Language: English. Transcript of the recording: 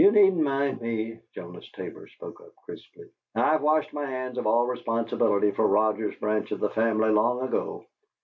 "You needn't mind me," Jonas Tabor spoke up, crisply. "I washed my hands of all responsibility for Roger's branch of the family long ago.